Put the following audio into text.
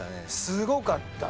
すごかった。